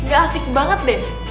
gak asik banget deh